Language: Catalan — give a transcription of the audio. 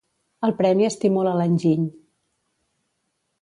El premi estimula l'enginy.